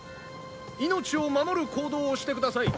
「命を守る行動をしてください」